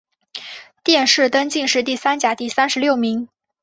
殿试登进士第三甲第三十名。